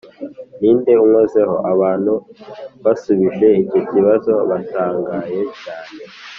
“ni nde unkozeho?” abantu basubije icyo kibazo batangaye cyane